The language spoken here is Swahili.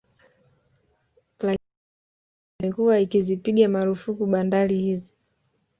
Lakini serikali imekuwa ikizipiga marufuku bandari hizi